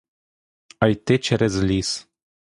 А йти через ліс.